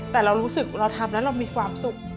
แต่เรารู้สึกเราทำแล้วเรามีความสุข